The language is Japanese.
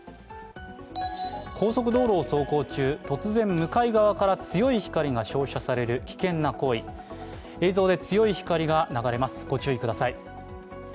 高速道路を走行中、突然、向かい側から強い光が照射される危険な行為、映像で強い光が流れます、ご注意ください。